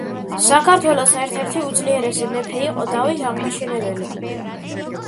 საქართველოს ერთერთი უძლიერესი მეფე იყო დავით აღმაშენებელი